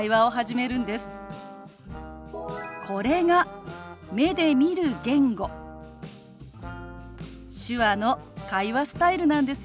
これが目で見る言語手話の会話スタイルなんですよ。